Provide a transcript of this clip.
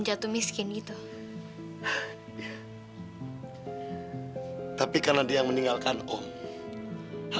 walau takkan mudah untuk bersama